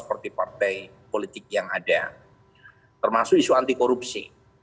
seperti partai politik yang ada termasuk isu anti korupsi